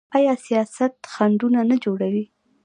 آیا سیاست خنډونه نه جوړوي؟